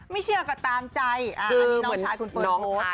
เชื่อก็ตามใจอันนี้น้องชายคุณเฟิร์นโพสต์